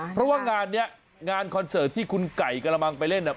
เพราะว่างานนี้งานคอนเสิร์ตที่คุณไก่กระมังไปเล่นเนี่ย